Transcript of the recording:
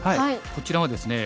こちらはですね